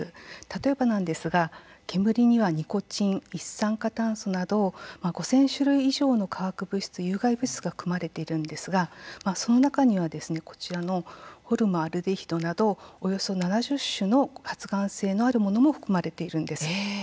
例えばなんですが、煙にはニコチン、一酸化炭素など５０００種類以上の化学物質、有害物質が含まれているんですがその中にはこちらのホルムアルデヒドなどおよそ７０種の発がん性のあるものも含まれているんです。